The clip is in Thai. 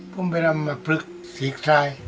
ผมไปทำอาฟฟลึกศีรษราย